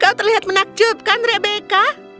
kau terlihat menakjubkan rebecca